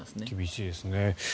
厳しいですね。